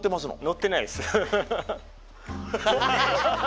乗ってないです。